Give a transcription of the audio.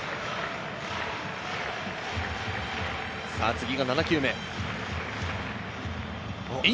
次が７球目。